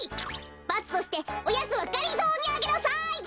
バツとしておやつはがりぞーにあげなさい！